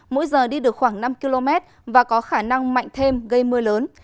mỗi giờ đi được khoảng năm km và có khả năng mạnh thêm gây mưa lớn